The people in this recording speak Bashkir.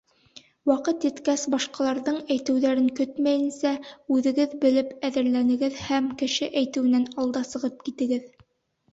Ваҡыт еткәс, башҡаларҙың әйтеүҙәрен көтмәйенсә, үҙегеҙ белеп әҙерләнегеҙ һәм кеше әйтеүенән алда сығып китегеҙ.